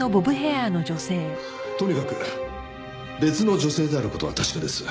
とにかく別の女性である事は確かです。